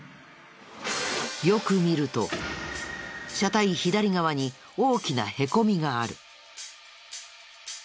よく見ると車体左側に大きなヘコみがある。